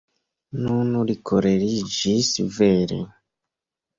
Nun li koleriĝis vere.